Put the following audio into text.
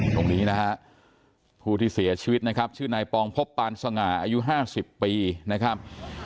ตรงนี้นะฮะผู้ที่เสียชีวิตนะครับชื่อนายปองพบปานสง่าอายุ๕๐ปีนะครับ